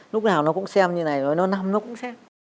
lúc nào nó cũng xem như thế này rồi nó nằm nó cũng xem